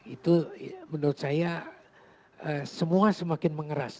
itu menurut saya semua semakin mengeras